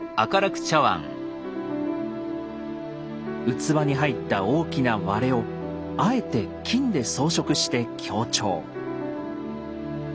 器に入った大きな割れをあえて金で装飾して強調。